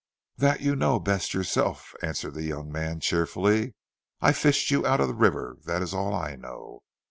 "That you know best yourself," answered the young man, cheerfully. "I fished you out of the river, that is all I know."